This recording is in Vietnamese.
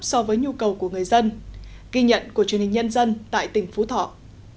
so với nhu cầu của người dân ghi nhận của truyền hình nhân dân tại tỉnh phú thọ